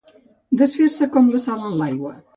Desfer-se com la sal en l'aigua.